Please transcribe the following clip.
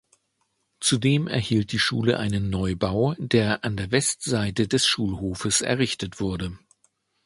Zudem erhielt die Schule einen Neubau, der an der Westseite des Schulhofes errichtet wurde.